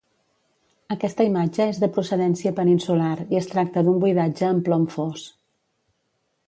Aquesta imatge és de procedència peninsular i es tracta d'un buidatge en plom fos.